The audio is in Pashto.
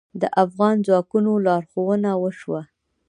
د افغان ځواکونو لارښوونه وشوه.